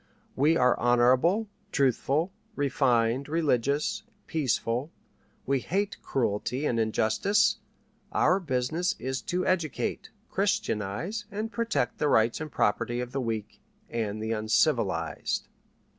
We are honorable, truthful, refined, religious, peaceful; we hate cruelty and injustice; our business is to educate, Christianize, and protect the rights and property of the weak and the uncivilized."